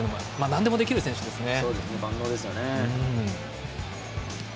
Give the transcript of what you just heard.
なんでもできる選手ですね。